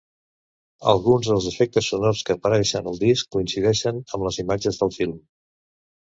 Alguns dels efectes sonors que apareixen al disc coincideixen amb les imatges del film.